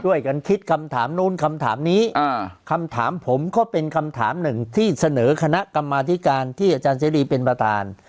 ช่วยกันคิดคำถามนู้นคำถามนี้คำถามผมก็เป็นคำถามหนึ่งที่เสนอคณะกรรมาธิการที่อาจารย์เสรีเป็นประธาน